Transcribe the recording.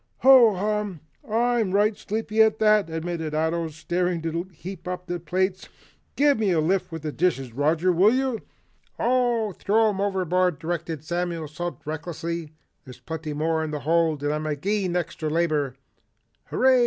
"Ho hum! I'm right sleepy at that," admitted Ato, starting to heap up plates. "Give me a lift with the dishes, Roger, will you?" "Oh, throw 'em overboard," directed Samuel Salt recklessly. "There's plenty more in the hold and I'm agin all extry labor." "Hurray!"